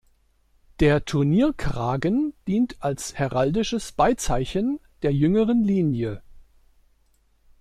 Der Turnierkragen dient als heraldisches Beizeichen der jüngeren Linie.